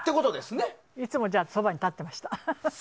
いつもそばに立ってました。